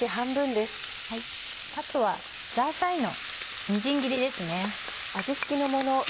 あとはザーサイのみじん切りですね。